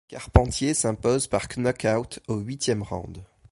Carpentier s'impose par knock-out au huitième round.